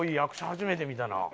初めて見たな。